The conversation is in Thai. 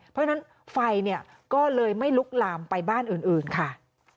เพราะฉะนั้นไฟเนี่ยก็เลยไม่ลุกลามไปบ้านอื่นค่ะ